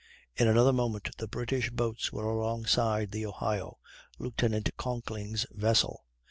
In another moment the British boats were alongside the Ohio, Lieut. Conkling's vessel.